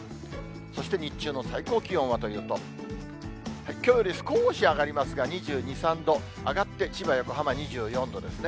そして日中の最高気温はというと、きょうより少し上がりますが、２２、３度。上がって、千葉、横浜２４度ですね。